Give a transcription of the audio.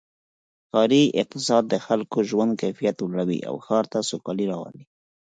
ښاري اقتصاد د خلکو د ژوند کیفیت لوړوي او ښار ته سوکالي راولي.